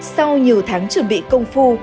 sau nhiều tháng chuẩn bị công phu